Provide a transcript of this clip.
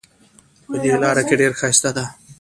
په دې لاره کې ډېر ښایست ده